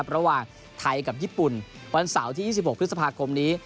ระหว่างไทยกับญี่ปุ่นวันเสาร์ที่๒๖พฤษภาคมนี้